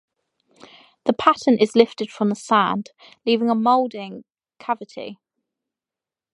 The pattern is lifted from the sand, leaving a molding cavity.